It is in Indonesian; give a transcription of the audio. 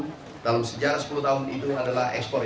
keberhasilan pembangunan tersebut akan diperlukan oleh petani